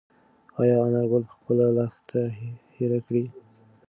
ایا انارګل به خپله لښته هېره کړي؟